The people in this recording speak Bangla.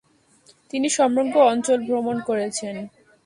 তিনি সমগ্র অঞ্চল ভ্রমণ করেছেন।